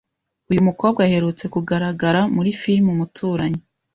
uyu mukobwa aherutse kugaragara muri Filime Umuturanyi